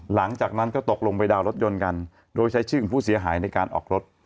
หลังจากนั้นก็ตกลงไปดาวนรถยนต์กันโดยใช้ชื่อของผู้เสียหายในการออกรถ